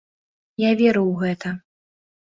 Я веру ў гэта.